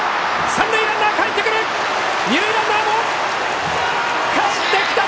三塁ランナー、かえってきた！